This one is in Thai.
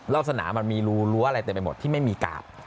สนามมันมีรูรั้วอะไรเต็มไปหมดที่ไม่มีกาบ